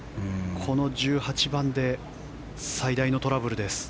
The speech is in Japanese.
この１８番で最大のトラブルです。